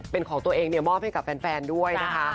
เป็นของตัวเองมอบให้กับแฟนด้วยนะคะ